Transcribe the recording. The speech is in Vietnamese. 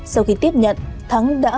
sau khi tiếp nhận thắng đã